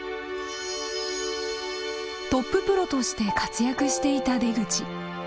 トッププロとして活躍していた出口。